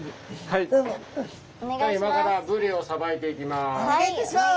今からブリをさばいていきます。